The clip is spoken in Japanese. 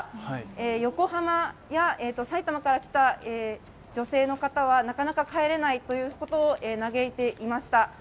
横浜や埼玉から来た女性の方はなかなか帰れないということを嘆いていました。